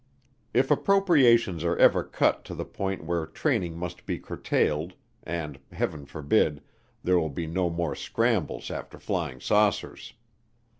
If appropriations are ever cut to the point where training must be curtailed, and Heaven forbid, there will be no more scrambles after flying saucers.